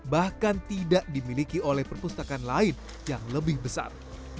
bahkan tidak dimiliki oleh perpustakaan lain yang lebih besar